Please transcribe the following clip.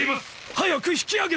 早く引き上げて！